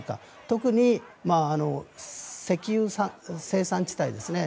特に石油生産地帯ですね。